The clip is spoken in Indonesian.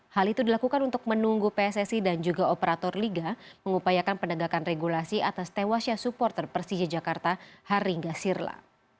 hal itu dilakukan untuk menunggu pssi dan juga operator liga mengupayakan penegakan regulasi atas tewasnya supporter persija jakarta haringga sirla